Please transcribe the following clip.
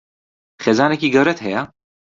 خێزانێکی گەورەت هەیە؟